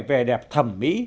về đẹp thẩm mỹ